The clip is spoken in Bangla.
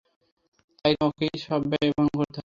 তাই তোকেই সব ব্যয় বহন করতে হবে।